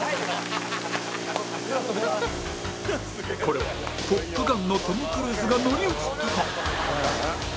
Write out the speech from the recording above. これは『トップガン』のトム・クルーズが乗り移ったか？